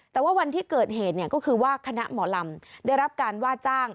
แต่ว่าวันที่เกิดเหตุก็คือว่าคณะหมอลำได้รับการว่าจ้าง